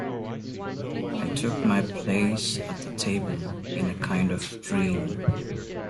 I took my place at the table in a kind of dream.